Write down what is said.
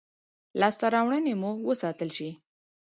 لاسته راوړنې مو وساتل شي.